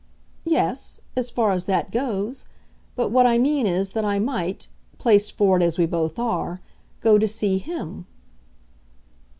"Yes as far as that goes. But what I mean is that I might placed for it as we both are go to see HIM."